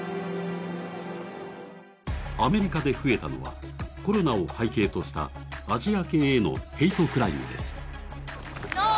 アメリカで増えたのは、コロナを背景としたアジア系へのヘイトクライムです。